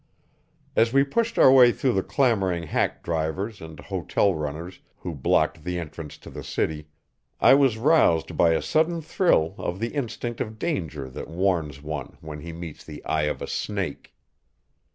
As we pushed our way through the clamoring hack drivers and hotel runners who blocked the entrance to the city, I was roused by a sudden thrill of the instinct of danger that warns one when he meets the eye of a snake.